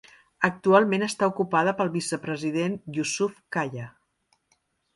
Actualment està ocupada pel vicepresident Jusuf Kalla.